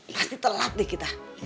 pasti telat deh kita